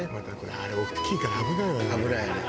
「あれ大きいから危ないわね」